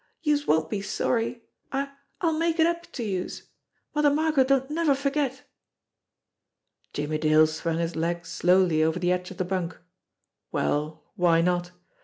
Youse won't be sorry. I I'll make it up to youse. Mother Margot don't never forget." Jimmie Dale swung his leg slowly over the edge of the bunk. Well, why not?